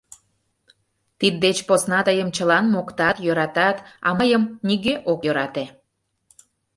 Тиддеч посна тыйым чылан моктат, йӧратат, а мыйым нигӧ ок йӧрате.